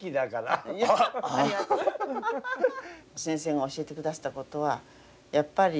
先生が教えてくだすったことはやっぱり